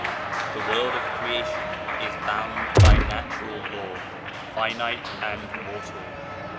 The World of Creation is bound by natural Law, finite and mortal.